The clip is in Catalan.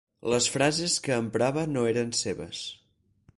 Les frases que emprava no eren seves.